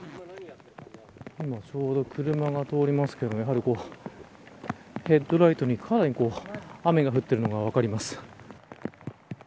今ちょうど、車が通りますけどヘッドライトにかなり雨が降っているのが分かります。